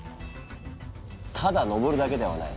ただ登るだけではない。